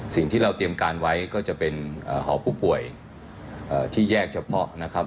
สิ่งที่เราเตรียมการไว้ก็จะเป็นหอผู้ป่วยที่แยกเฉพาะนะครับ